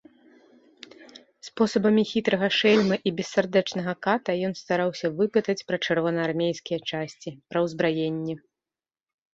Спосабамі хітрага шэльмы і бессардэчнага ката ён стараўся выпытаць пра чырвонаармейскія часці, пра ўзбраенне.